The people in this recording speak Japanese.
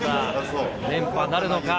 連覇なるのか？